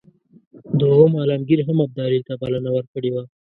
دوهم عالمګیر هم ابدالي ته بلنه ورکړې وه.